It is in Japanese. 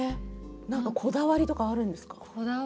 こだわりとかあるんですか。